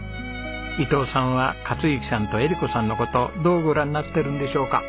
伊藤さんは克幸さんと絵理子さんの事どうご覧になってるんでしょうか？